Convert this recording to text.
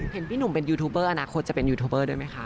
เห็นพี่หนุ่มเป็นยูทูบเบอร์อนาคตจะเป็นยูทูบเบอร์ด้วยไหมคะ